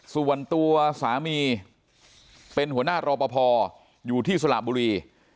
ส่วนตัวสามีเป็นหัวหน้ารอปภอยู่ที่สระบุรี